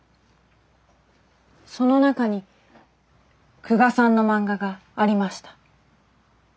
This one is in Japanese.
その中に久我さんの漫画がありました。